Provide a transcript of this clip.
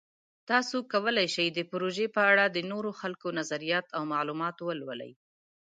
تاسو کولی شئ د پروژې په اړه د نورو خلکو نظریات او معلومات ولولئ.